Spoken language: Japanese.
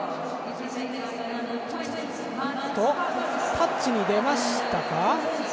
タッチに出ましたか。